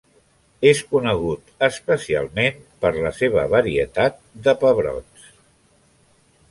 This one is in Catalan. És conegut especialment per la seva varietat de pebrots.